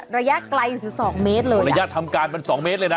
ระยะไกลถึงสองเมตรเลยระยะทำการมันสองเมตรเลยนะ